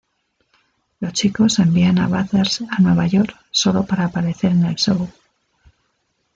Los chicos envían a Butters a Nueva York solo para aparecer en el show.